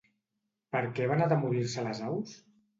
Per què van atemorir-se les aus?